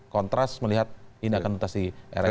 kontras melihat ini akan tuntas di era ini